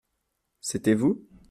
C’était vous ?